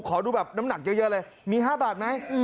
ขอดูแบบน้ำหนักเยอะเยอะเลยมีห้าบาทไหมอืม